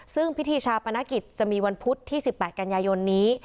ซึ่งพิธีชาปนกิจจะมีวันพุธที่๑๘กันยายนนี้